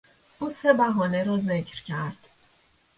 او سه بهانه را ذکر کرد.